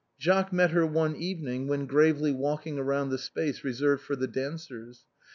. Jacques met her one evening when gravely walking round the space reserved for the dancers.